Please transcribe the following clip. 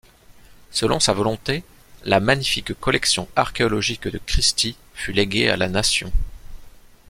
Selon sa volonté, la magnifique collection archéologique de Christy fut léguée à la nation.